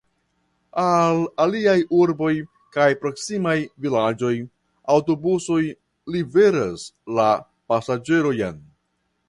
Al aliaj urboj kaj proksimaj vilaĝoj aŭtobusoj liveras la pasaĝerojn.